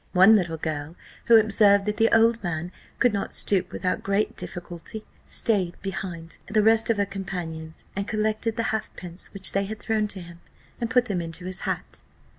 One little girl, who observed that the old man could not stoop without great difficulty, stayed behind the rest of her companions, and collected the halfpence which they had thrown to him, and put them into his hat.